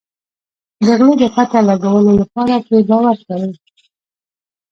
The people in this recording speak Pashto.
د غله د پته لګولو لپاره پرې باور کوي.